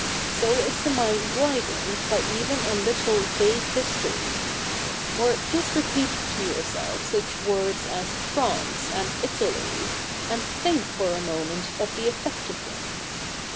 So is the mind widened by even a little vague history. Or, just repeat to yourself such words as France and Italy^ and think for a moment of the effect of them.